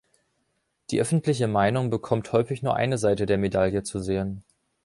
Die öffentliche Meinung bekommt häufig nur eine Seite der Medaille zu sehen.